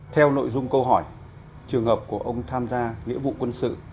theo nội dung câu hỏi trường hợp của ông tham gia nghĩa vụ quân sự